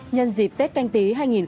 nhân dịp tết canh tí hai nghìn hai mươi